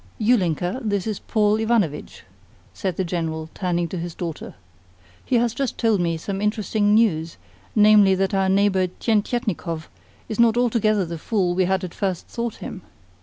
"Ulinka, this is Paul Ivanovitch," said the General, turning to his daughter. "He has just told me some interesting news namely, that our neighbour Tientietnikov is not altogether the fool we had at first thought him.